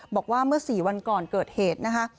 บอกว่าเมื่อ๔วันก่อนเกิดเหตุนะคะ